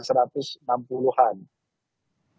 sementara pasangan satu koalisinya hanya satu ratus enam puluh